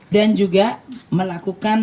dan juga melakukan